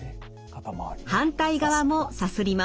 反対側もさすります。